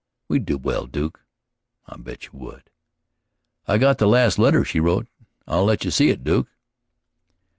We'd do well, Duke." "I bet you would." "I got the last letter she wrote I'll let you see it, Duke."